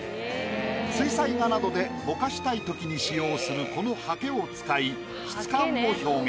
水彩画などでぼかしたい時に使用するこのハケを使い質感を表現。